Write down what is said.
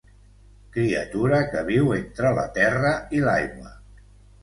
Criatura que viu entre la terra i l'aigua.